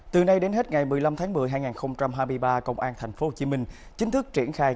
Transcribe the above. từ nay đến hết ngày một mươi năm tháng một mươi hai nghìn hai mươi ba công an tp hcm chính thức triển khai